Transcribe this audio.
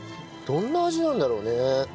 どんな味なんだろうね？